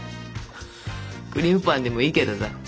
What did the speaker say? クリームパンでもいいけどさ。